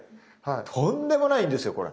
とんでもないんですよこれ。